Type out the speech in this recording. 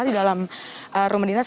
di dalam rumah dinas